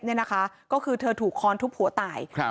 เนี่ยนะคะก็คือเธอถูกค้อนทุบหัวตายครับ